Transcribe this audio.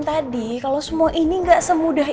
tadi kalau semua ini enggak semudah